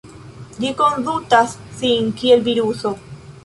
Ĝi kondutas sin kiel viruso.